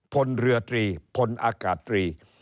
พลเรือตรีพลอากาศตรี